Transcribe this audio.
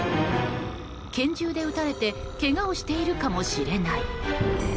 拳銃で撃たれてけがをしているかもしれない。